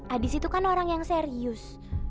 adis itu kan orang yang serius